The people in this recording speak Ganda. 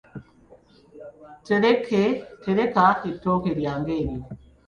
Teleka ettooke lyange eryo.